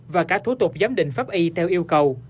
và cả thủ tục giám định pháp y theo yêu cầu